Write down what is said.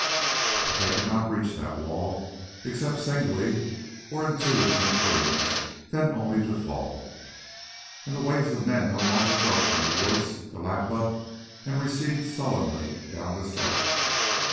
But they could not reach that wall except singly, or in twos and threes, then only to fall. And the waves of men no longer broke from the woods to lap up and recede sullenly down the slope.